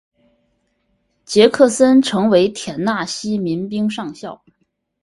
杰克森成为田纳西民兵上校。